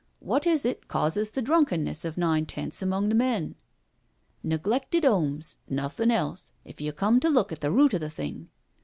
Wot is it causes the drunkenness of nine tenths among the men? Neglected 'omes, nothin' else, if you come to look at the root of the thing.